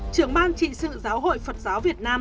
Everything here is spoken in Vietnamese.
trưởng ban trị sự giáo hội phật giáo việt nam